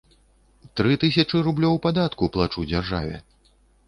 Тры тысячы рублёў падатку плачу дзяржаве.